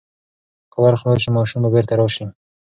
که ور خلاص شي، ماشوم به بیرته راشي.